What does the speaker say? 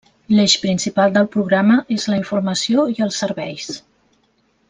L'eix principal del programa és la informació i els serveis.